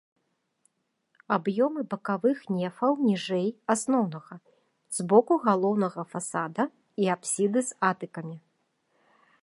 Аб'ёмы бакавых нефаў ніжэй асноўнага, з боку галоўнага фасада і апсіды з атыкамі.